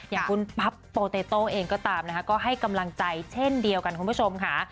อย่างคุณปั๊บโปเตโต้เองก็ตามนะคะก็ให้กำลังใจเช่นเดียวกันคุณผู้ชมค่ะ